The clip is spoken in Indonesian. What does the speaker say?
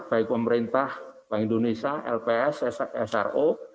baik pemerintah bank indonesia lps sro